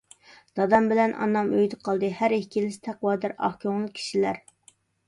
دادام بىلەن ئانام ئۆيدە قالدى، ھەر ئىككىلىسى تەقۋادار، ئاق كۆڭۈل كىشىلەر.